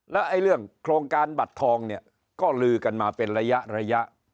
แล้วเรื่องโครงการบัตรทองเนี่ยก็ลือกันมาเป็นระยะระยะ